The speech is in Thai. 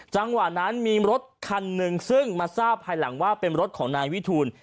จังหวะนั้นมีรถคันหนึ่งซึ่งมาทราบภายหลังว่าเป็นรถของนายวิทูล